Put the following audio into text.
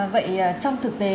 vậy trong thực tế